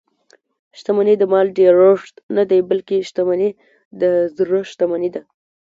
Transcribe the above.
شتمني د مال ډېرښت نه دئ؛ بلکي شتمني د زړه شتمني ده.